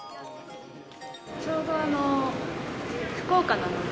ちょうど福岡なので。